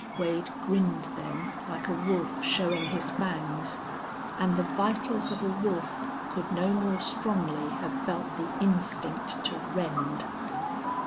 Wade grinned then like a wolf showing his fangs. And the vitals of a wolf could no more strongly have felt the instinct to rend.